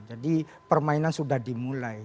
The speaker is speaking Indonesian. jadi permainan sudah dimulai